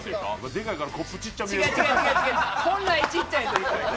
でかいからコップちっちゃめ？